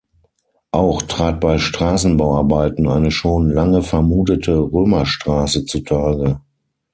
Auch trat bei Straßenbauarbeiten eine schon lange vermutete Römerstraße zu Tage.